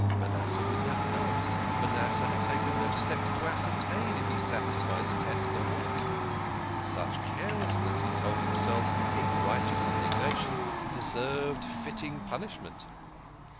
Ma nasseh would never know, Manasseh had taken no steps to ascertain if he sat isfied the test or not. Such carelessness, he told him self in righteous indigna tion, deserved fitting pun ishment.